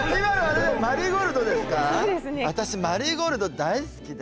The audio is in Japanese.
私マリーゴールド大好きで。